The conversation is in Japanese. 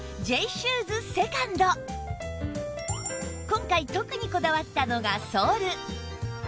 今回特にこだわったのがソール